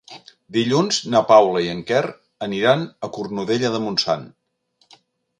Dilluns na Paula i en Quer aniran a Cornudella de Montsant.